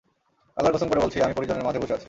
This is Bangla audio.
আল্লাহর কসম করে বলছি, আমি পরিজনের মাঝে বসে আছি।